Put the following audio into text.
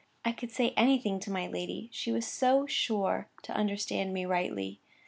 I could say anything to my lady, she was so sure to understand me rightly.